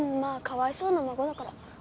かわいそうな孫だから。